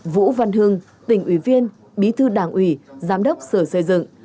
vũ văn hưng tỉnh ủy viên bí thư đảng ủy giám đốc sở xây dựng